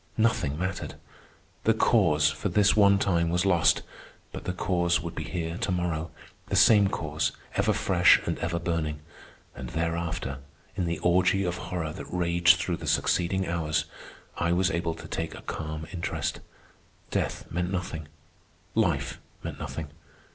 Nothing mattered. The Cause for this one time was lost, but the Cause would be here to morrow, the same Cause, ever fresh and ever burning. And thereafter, in the orgy of horror that raged through the succeeding hours, I was able to take a calm interest. Death meant nothing, life meant nothing.